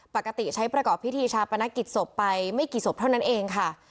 ปกติใช้ประกอบพิธีชาปนกิจศพไปไม่กี่ศพเท่านั้นเองค่ะ